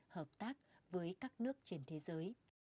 hợp tác với các nước trên thế giới